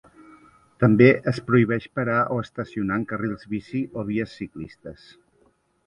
També es prohibeix parar o estacionar en carrils bici o vies ciclistes.